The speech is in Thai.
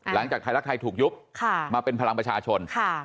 หลังจากภายลักษณ์ไทยถูกยุบค่ะมาเป็นพลังประชาชนค่ะ